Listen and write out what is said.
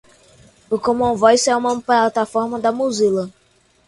O Common Voice é uma plataforma da Mozilla